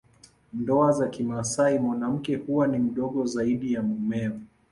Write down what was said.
Ndoa za kimasai mwanamke huwa ni mdogo zaidi ya mumewe